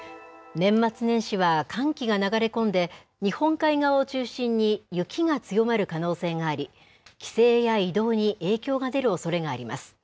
年末年始は寒気が流れ込んで、日本海側を中心に雪が強まる可能性があり、帰省や移動に影響が出るおそれがあります。